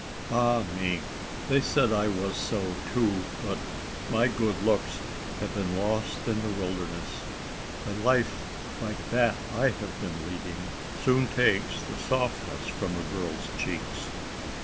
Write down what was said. Ah me! they said I was so too, but my good looks have been lost in the wilderness. A life like that I have been leading soon takes the softness from a girl's cheeks.